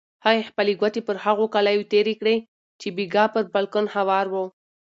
هغې خپلې ګوتې پر هغو کالیو تېرې کړې چې بېګا پر بالکن هوار وو.